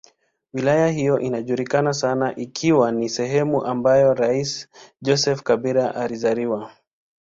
Wilaya hiyo inajulikana sana ikiwa ni sehemu ambayo rais Joseph Kabila alizaliwa.